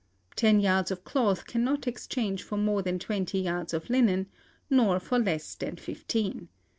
Ten yards of cloth can not exchange for more than twenty yards of linen, nor for less than fifteen.